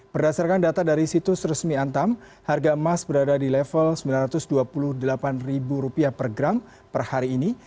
berdasarkan data dari situs resmi antam harga emas berada di level rp sembilan ratus dua puluh delapan per gram per hari ini